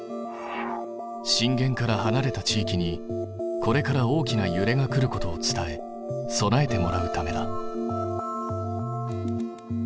震源からはなれた地域にこれから大きなゆれが来ることを伝え備えてもらうためだ。